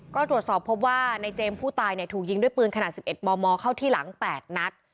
ก็ตรวจสอบพบว่าในเจมส์ผู้ตายถูกยิงด้วยปืนขนาด๑๑มมเข้าที่หลัง๘นัด